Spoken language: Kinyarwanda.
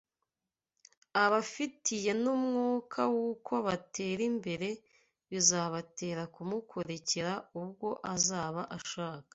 abafitiye n’umwuka w’uko batera imbere bizabatera kumukurikira ubwo azaba ashaka